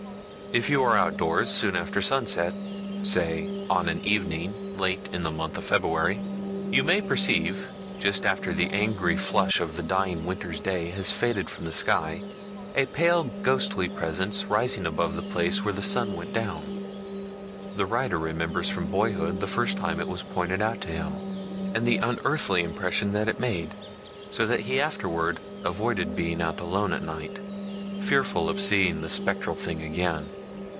If you are out of doors soon after sunset—say, on an evening late in the month of February—you may perceive, just after the angry flush of the dying winter's day has faded from the sky, a pale ghostly presence rising above the place where the sun went down. The writer remembers from boyhood the first time it was pointed out to him and the unearthly impression that it made, so that he afterward avoided being out alone at night, fearful of seeing the spectral thing again.